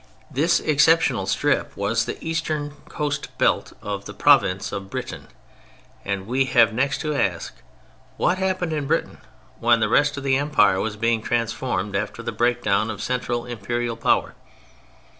This exceptional strip was the eastern coast belt of the province of Britain; and we have next to ask: "_What happened in Britain when the rest of the Empire was being transformed, after the breakdown of central Imperial power?